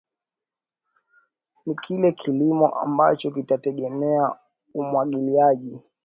ni kile kilimo ambacho kitategemea umwagiliaji